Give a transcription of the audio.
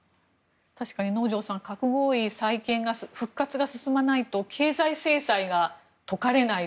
確かに、能條さん核合意再建の復活が進まないと経済制裁が解かれない。